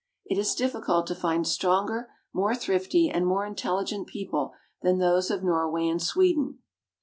It is diffi cult to find stronger, more thrifty, and more intelligent people than those of Norway and Sweden.